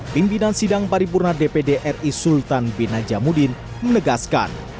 pimpinan sidang paripurna dpd ri sultan bin najamuddin menegaskan